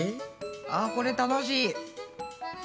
あこれ楽しい。